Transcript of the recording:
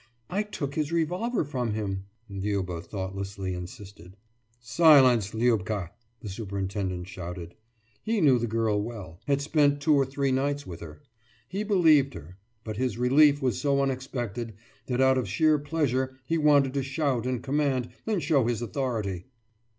»I took his revolver from him,« Liuba thoughtlessly insisted. »Silence Liubka!« the superintendent shouted. He knew the girl well, had spent two or three nights with her. He believed her; but his relief was so unexpected that out of sheer pleasure he wanted to shout and command and show his authority.